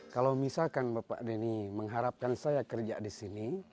kalau misalkan bapak denny mengharapkan saya kerja di sini